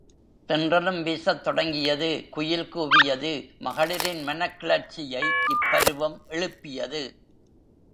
தென்றலும் வீசத் தொடங்கியது குயில் கூவியது மகளிரின் மனக் கிளர்ச்சியை இப்பருவம் எழுப்பியது.